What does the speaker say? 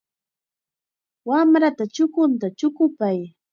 Wamrata chukunta chukupay.